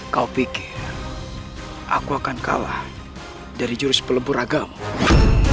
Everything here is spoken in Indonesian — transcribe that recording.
kau pikir aku akan kalah dari jurus pelempur agama